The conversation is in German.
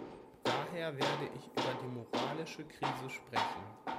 Daher werde ich über die moralische Krise sprechen.